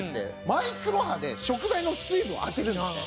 マイクロ波で食材の水分を当てるんですね。